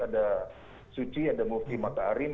ada suci ada mufti maka arim